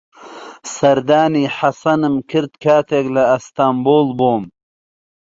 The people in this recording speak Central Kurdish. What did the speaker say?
سەردانی حەسەنم کرد کاتێک لە ئەستەنبوڵ بووم.